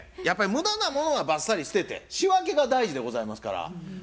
やっぱり無駄なものはバッサリ捨てて仕分けが大事でございますから。